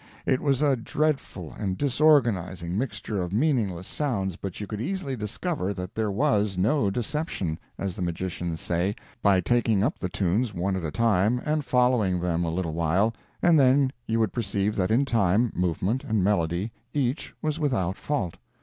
It was a dreadful and disorganizing mixture of meaningless sounds, but you could easily discover that there was "no deception," as the magicians say, by taking up the tunes one at a time and following them a little while, and then you would perceive that in time, movement and melody, each was without fault.